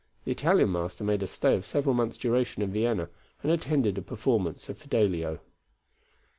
The Italian master made a stay of several months' duration in Vienna, and attended a performance of Fidelio.